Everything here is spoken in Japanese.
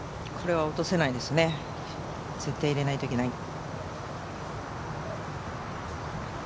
これは落とせないですね、絶対に入れないといけない。